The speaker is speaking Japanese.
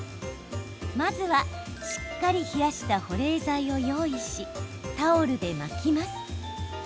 まずは、しっかり冷やした保冷剤を用意しタオルで巻きます。